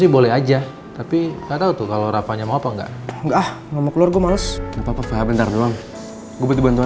waalaikumsalam warahmatullahi wabarakatuh